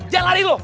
jangan lari lo